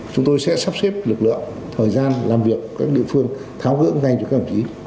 chúng tôi sẽ sắp xếp lực lượng thời gian làm việc các địa phương tháo ngỡ ngay cho các hành trí